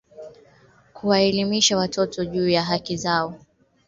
kuwaelimisha watoto juu ya haki zao wakati wa vipindi vya madrasa